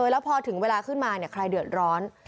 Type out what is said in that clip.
แล้วพอถึงเวลาขึ้นมาใครเดือดร้อน